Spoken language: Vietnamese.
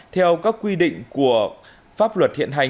theo các quy định của pháp luật hiện hành